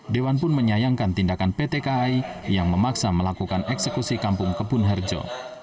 dewan pun menyayangkan tindakan pt kai yang memaksa melakukan eksekusi kampung kebun harjo